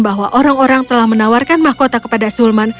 bahwa orang orang telah menawarkan mahkota kepada sulman